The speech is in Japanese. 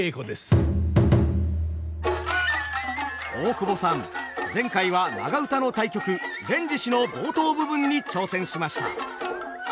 大久保さん前回は長唄の大曲「連獅子」の冒頭部分に挑戦しました。